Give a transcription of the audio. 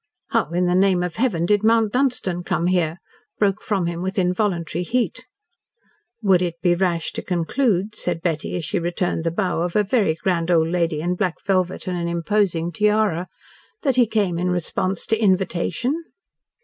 "How in the name of Heaven did Mount Dunstan come here?" broke from him with involuntary heat. "Would it be rash to conclude," said Betty, as she returned the bow of a very grand old lady in black velvet and an imposing tiara, "that he came in response to invitation?"